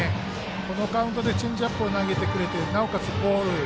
このカウントでチェンジアップを投げてくれてなおかつボール。